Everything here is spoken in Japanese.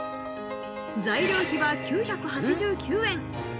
材料費は９８９円。